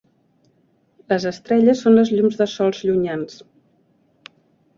Les estrelles són les llums de sols llunyans.